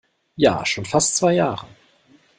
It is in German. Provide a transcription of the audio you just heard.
Ja, schon fast zwei Jahre.